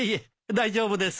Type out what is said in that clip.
大丈夫です。